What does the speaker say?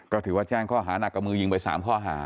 ก็ถือว่าแจ้งข้อหานักกับมือยิงไป๓ข้อหา